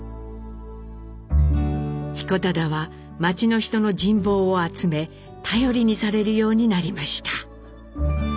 彦忠は町の人の人望を集め頼りにされるようになりました。